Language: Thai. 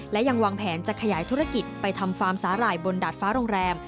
และยังวางแผนจะขยายธุรกิจไปทำฟาร์มสาหร่ายบนดาดฟ้าโรงแรม